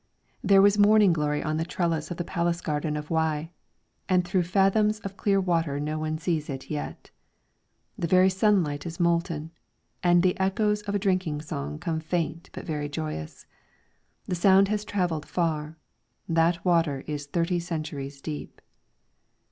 There was morning glory on the trellis of the palace garden of Wei, and through fathoms of clear water one sees it yet. The very sunlight is molten; and the echoes of a drinking song come faint but very joyous. The sound has travelled far. That water is thirty centuries deep.